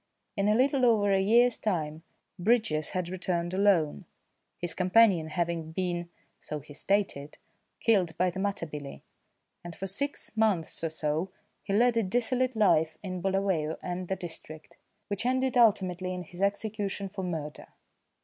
In a little over a year's time Bridges had returned alone his companion having been, so he stated, killed by the Matabele, and for six months or so he led a dissolute life in Bulawayo and the district, which ended ultimately in his execution for murder.